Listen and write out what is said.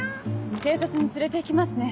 警察に連れて行きますね。